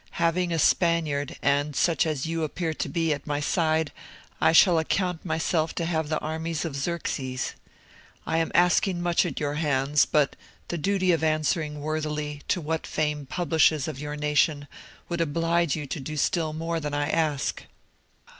Having a Spaniard, and such as you appear to be, at my side, I shall account myself to have the armies of Xerxes. I am asking much at your hands; but the duty of answering worthily to what fame publishes of your nation, would oblige you to do still more than I ask."